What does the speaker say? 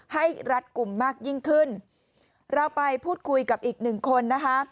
รัดกลุ่มมากยิ่งขึ้นเราไปพูดคุยกับอีกหนึ่งคนนะคะ